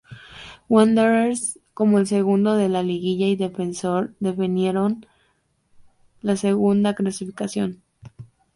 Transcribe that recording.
Wanderers, como segundo de la Liguilla, y Defensor, definieron la segunda clasificación.